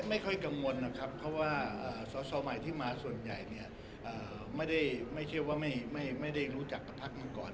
ไม่ค่อยกังวลนะครับเพราะว่าชาวใหม่ที่มาส่วนใหญ่ไม่ได้รู้จักกับภักดิ์มาก่อน